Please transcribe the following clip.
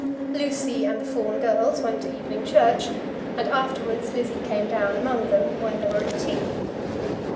Lucy and the Fawn girls went to evening church, and afterwards Lizzie came down among them when they were at tea.